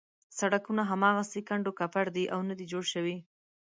سړکونه هماغسې کنډو کپر دي او نه دي جوړ شوي.